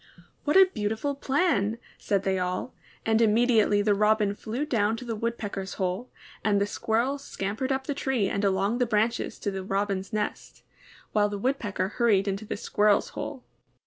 '^ ''What a beautiful plan!" said they all; and immediately the Robin flew down to the Woodpecker's hole, and the Squirrel scam pered up the tree and along the branches to HOW THE WIND FIXED MATTERS. 161 the Robin's nest, while the Woodpecker hur ried into the Squirrel's hole.